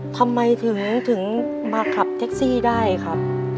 ทำไมถึงมาขับแท็กซี่ได้ครับ